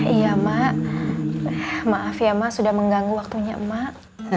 iya mak maaf ya mak sudah mengganggu waktunya emak